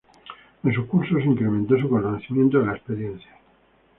En sus cursos, incrementó su conocimiento de la experiencia.